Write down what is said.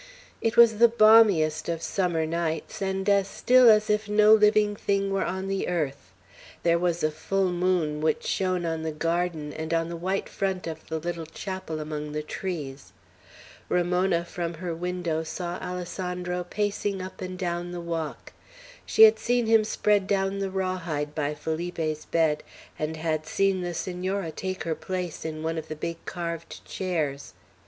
It was the balmiest of summer nights, and as still as if no living thing were on the earth. There was a full moon, which shone on the garden, and on the white front of the little chapel among the trees. Ramona, from her window, saw Alessandro pacing up and down the walk. She had seen him spread down the raw hide by Felipe's bed, and had seen the Senora take her place in one of the big carved chairs.